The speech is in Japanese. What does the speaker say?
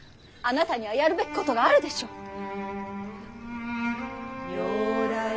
あなたにはやるべきことがあるでしょう！